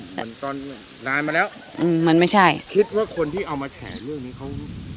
แต่ตอนนานมาแล้วอืมมันไม่ใช่คิดว่าคนที่เอามาแฉเรื่องนี้เขา